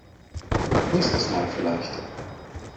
Nächstes Mal vielleicht.